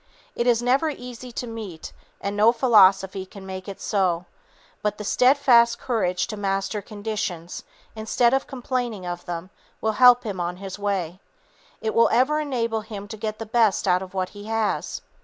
It is never easy to meet, and no philosophy can make it so, but the steadfast courage to master conditions, instead of complaining of them, will help him on his way; it will ever enable him to get the best out of what he has.